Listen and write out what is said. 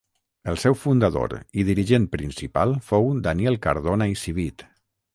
El seu fundador i dirigent principal fou Daniel Cardona i Civit.